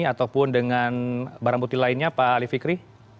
ataupun dengan barang bukti lainnya pak ali fikri